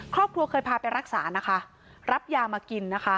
ครอบครัวเคยพาไปรักษารับยามากิน